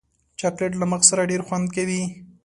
چاکلېټ له مغز سره ډېر خوند کوي.